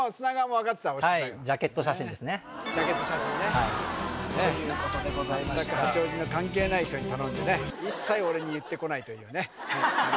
押してたけどジャケット写真ですねジャケット写真ねということでございました八王子の関係ない人に頼んでね一切俺に言ってこないというね